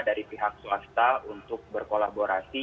dari pihak swasta untuk berkolaborasi